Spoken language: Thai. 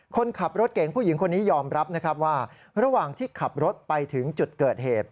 คนขับรถเก่งผู้หญิงคนนี้ยอมรับนะครับว่าระหว่างที่ขับรถไปถึงจุดเกิดเหตุ